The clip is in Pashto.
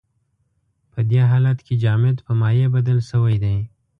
په دې حالت کې جامد په مایع بدل شوی دی.